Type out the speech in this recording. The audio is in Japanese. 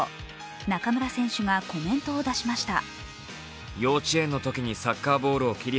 中村選手がコメントを出しました。